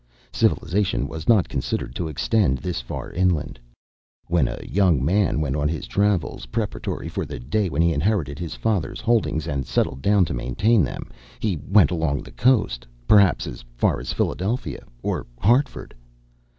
Civilization was not considered to extend this far inland. When a young man went on his travels, preparatory for the day when he inherited his father's holdings and settled down to maintain them, he went along the coast, perhaps as far as Philadelphia or Hartford.